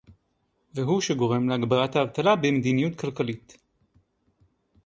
והוא שגורם להגברת האבטלה במדיניות כלכלית